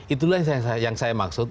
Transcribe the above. itulah yang saya maksud